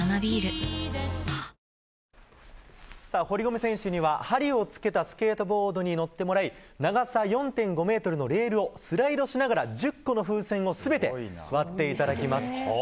堀米選手には、針を付けたスケートボードに乗ってもらい長さ４．５ｍのレールをスライドしながら１０個の風船を全て割っていただきます。